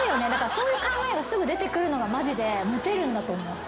そういう考えがすぐ出てくるのがマジでモテるんだと思う。